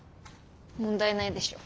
問題ないでしょ。